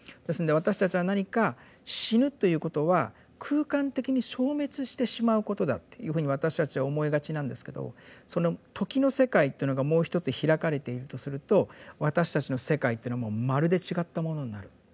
ですので私たちは何か死ぬということは空間的に消滅してしまうことだっていうふうに私たちは思いがちなんですけどその「時」の世界っていうのがもう一つ開かれているとすると私たちの世界っていうのはもうまるで違ったものになる。